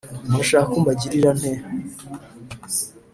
Murashaka ko mbagirira nte